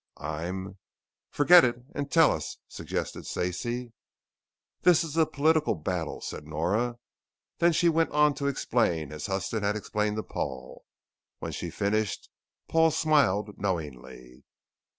"I'm " "Forget it and tell us," suggested Stacey. "This is a political battle," said Nora. Then she went on to explain, as Huston had explained to Paul. When she finished, Paul smiled knowingly.